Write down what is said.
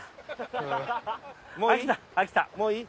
もういい？